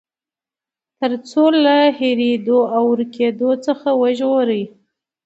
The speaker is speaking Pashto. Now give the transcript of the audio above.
تر څو له هېريدو او ورکېدو څخه وژغوري.